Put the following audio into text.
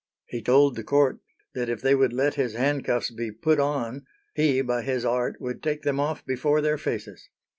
He told the court that if they would let his handcuffs be put on he by his art would take them off before their faces.